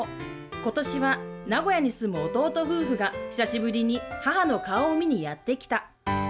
ことしは名古屋に住む弟夫婦が久しぶりに母の顔を見にやってきた。